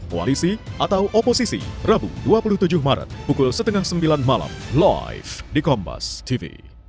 koalisi atau oposisi rabu dua puluh tujuh maret pukul setengah sembilan malam live di kompas tv